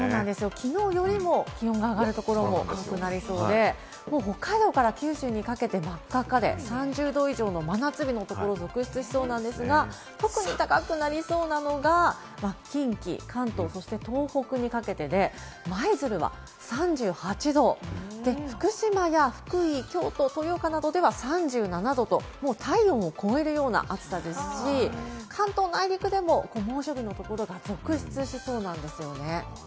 きのうよりも気温が上がるところが多くなりそうで、もう北海道から九州にかけて真っ赤っか、３０℃以上の真夏日のところが続出しそうなんですが、特に高くなりそうなのが近畿、関東、そして東北にかけて、舞鶴は３８度、福島や福井、京都、豊岡などでは３７度ともう体温を超えるような暑さですし、関東内陸でも真夏日が続出しそうなんですね。